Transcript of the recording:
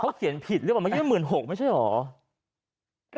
เขาเขียนผิดหรือเปล่าเมื่อกี้๑๖๐๐ไม่ใช่เหรอ